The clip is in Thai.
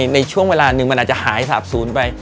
ในช่วงเวลาหนึ่งมันอาจจะหายสาบศูนย์ไป